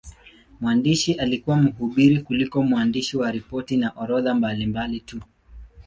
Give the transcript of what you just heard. Mwandishi alikuwa mhubiri kuliko mwandishi wa ripoti na orodha mbalimbali tu.